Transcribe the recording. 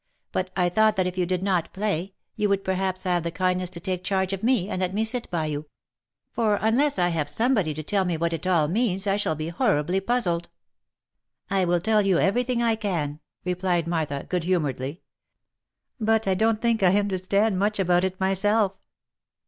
But I thought that if you did not play, you would perhaps have the kindness to take charge of me, and let me sit by you ; for unless I have somebody to tell me what it all means I shall be horribly puzzled." " I will tell you every thing I can," replied Martha, good humouredly. " But I don't think I understand much about it myself."